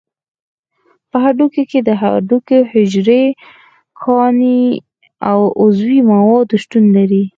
په هډوکي کې د هډوکو حجرې، کاني او عضوي مواد شتون لري.